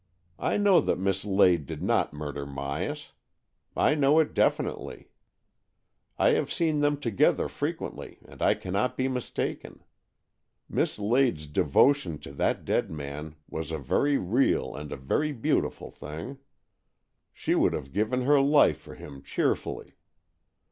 I know that Miss Lade did not murder Myas. I know it definitely. H 2 116 AN EXCHANGE OF SOULS I have seen them together frequently, and I cannot be mistaken. Miss Lade's devotion to that dead man was a very real and a very beautiful thing. She would have given her life for him cheerfully.